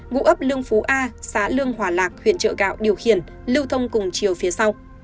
ngụ ấp lương phú a xã lương hòa lạc huyện trợ gạo điều khiển lưu thông cùng chiều phía sau